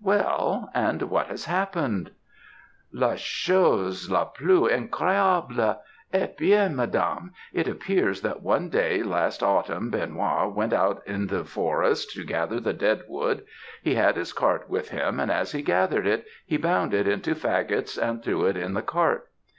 "'Well, and what has happened?' "'La chose la plus incroyable! Eh bien, Madame; it appears that one day last autumn, Benoît went out in the forest to gather the dead wood. He had his cart with him, and as he gathered it he bound it into faggots and threw it in the cart.